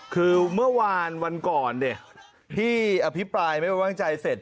คือเมื่อวานวันก่อนที่อภิปรายไม่ไว้วางใจเสร็จ